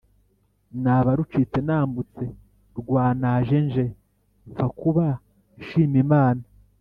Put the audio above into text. naba rucitse-nambutse rwa naje-nje mpfa kuba nshimimana